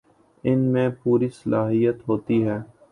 ان میں پوری صلاحیت ہوتی ہے